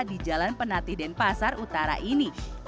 di jalan penatih denpasar utara ini